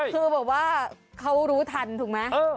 คือแบบว่าเขารู้ทันถูกไหม